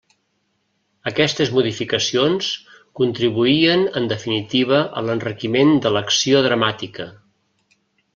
Aquestes modificacions contribuïen en definitiva a l'enriquiment de l'acció dramàtica.